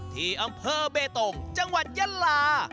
ที่อำเภอเบตงจังหวัดยะลา